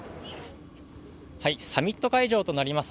サミット会場となります